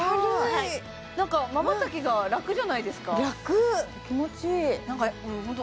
はいなんか軽いまばたきが楽じゃないですか？